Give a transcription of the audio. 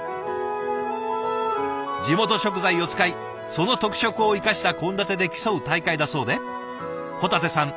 地元食材を使いその特色を生かした献立で競う大会だそうで保立さん